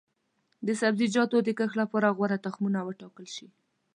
د سبزیجاتو د کښت لپاره غوره تخمونه وټاکل شي.